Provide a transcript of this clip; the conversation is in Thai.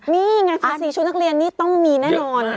นี่ไงคะสีชุดนักเรียนนี่ต้องมีแน่นอน